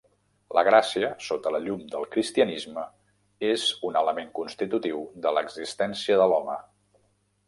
La gràcia, sota la llum del cristianisme, és un element constitutiu de l'existència de l'home.